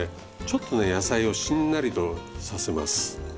ちょっとね野菜をしんなりとさせます。